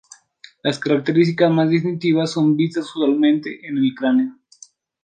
Las características más distintivas son vistas usualmente en el cráneo.